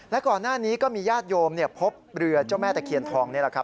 และก่อนหน้านี้ก็มีญาติโยมพบเรือเจ้าแม่ตะเคียนทองนี่แหละครับ